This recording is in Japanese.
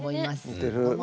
似てる。